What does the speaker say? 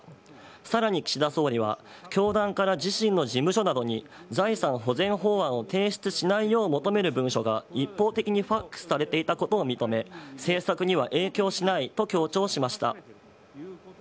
更に岸田総理は教団から自身の事務所などに財産保全法案を提出しないよう求める文書が一方的にＦＡＸされていたことを認め政策には影響しないと強調しました。